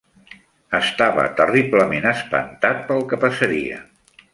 Estava terriblement espantat pel que passaria.